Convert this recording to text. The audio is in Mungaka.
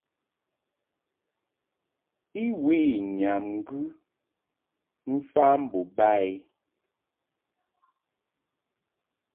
I we nyam ŋgɨ mfa mbo ba i.